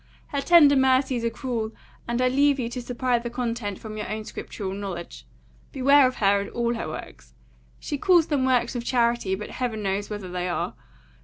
Her tender mercies are cruel; and I leave you to supply the content from your own scriptural knowledge. Beware of her, and all her works. She calls them works of charity; but heaven knows whether they are.